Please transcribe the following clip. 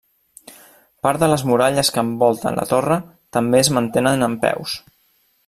Part de les muralles que envolten la torre també es mantenen en peus.